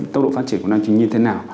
tốc độ phát triển của năng trí như thế nào